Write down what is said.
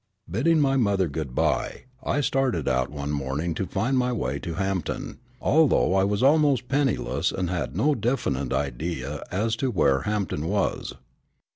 Bidding my mother good by, I started out one morning to find my way to Hampton, although I was almost penniless and had no definite idea as to where Hampton was.